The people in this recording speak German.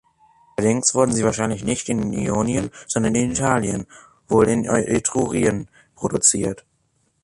Allerdings wurden sie wahrscheinlich nicht in Ionien, sondern in Italien, wohl in Etrurien, produziert.